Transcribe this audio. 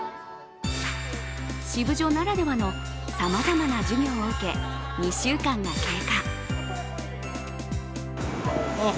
シブジョならではのさまざまな授業を受け、２週間が経過。